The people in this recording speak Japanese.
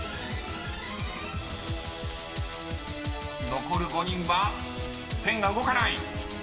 ［残る５人はペンが動かない］